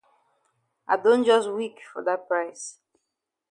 I don jus weak for dat price dem.